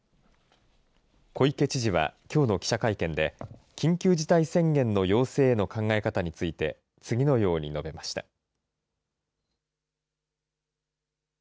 小池知事はきょうの記者会見で、緊急事態宣言の要請への考え方について、次のように述べました。